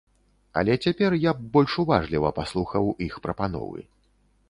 Але цяпер я б больш уважліва паслухаў іх прапановы.